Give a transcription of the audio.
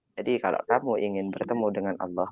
jadi kalau kamu ingin bertemu dengan allah